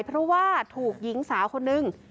เพราะว่าถูกหญิงสาวคนนึง